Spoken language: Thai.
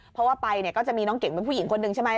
เพราะว่าไปเนี่ยก็จะมีน้องเก่งเป็นผู้หญิงคนหนึ่งใช่ไหม